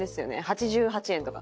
８８円とか。